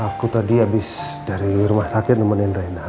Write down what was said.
aku tadi habis dari rumah sakit nemenin rena